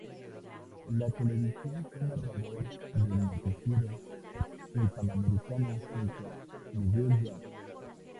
La televisión fue narrador del noticiero "El Panamericano" junto a Miguel Jack.